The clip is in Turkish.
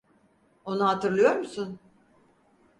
Onu hatırlıyor musun?